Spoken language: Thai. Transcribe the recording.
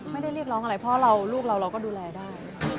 ไม่ได้เรียกร้องอะไรเพราะลูกเราเราก็ดูแลได้